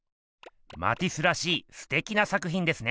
マティスらしいすてきな作ひんですね。